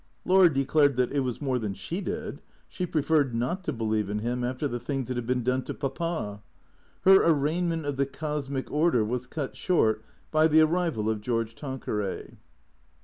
Laura declared that it was more than she did. She preferred not to believe in him, after the things that had been done to Papa. Her arraignment of the cosmic order was cut short by the arrival of George Tanqueray.